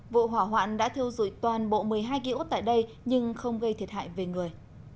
vụ hỏa hoạn đã theo dụi toàn bộ một mươi hai ghi ốt tại đây nhưng không gây thiệt hại về người